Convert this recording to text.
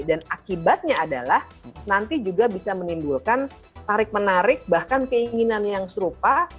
dan akibatnya adalah nanti juga bisa menimbulkan tarik menarik bahkan keinginan yang serupa